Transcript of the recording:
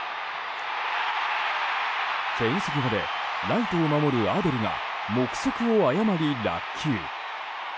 フェンス際でライトを守るアデルが目測を誤り落球。